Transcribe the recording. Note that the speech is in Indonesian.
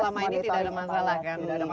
selama ini tidak ada masalah kan